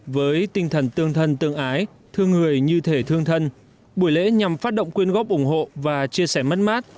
với tinh thần tương thân tương ái thương người như thể thương thân buổi lễ nhằm phát động quyên góp ủng hộ và chia sẻ mất mát